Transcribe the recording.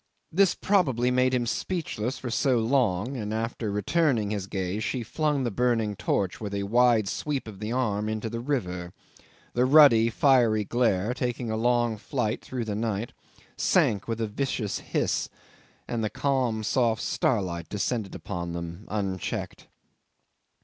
This probably made him speechless for so long, and after returning his gaze she flung the burning torch with a wide sweep of the arm into the river. The ruddy fiery glare, taking a long flight through the night, sank with a vicious hiss, and the calm soft starlight descended upon them, unchecked.